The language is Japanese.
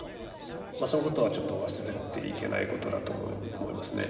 そのことはちょっと忘れていけないことだと思いますね。